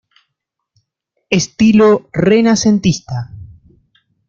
Estilo renacentista.